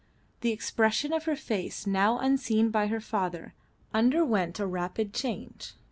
The expression of her face, now unseen by her father, underwent a rapid change.